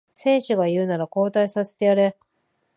選手が言うなら交代させてやれ